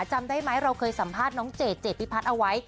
จำได้ไหมเราเคยสัมภาษณ์น้องเจดถั้วเอาไว้